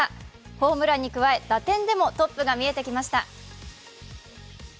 ホームランに加え打点でもトップが見えてきました。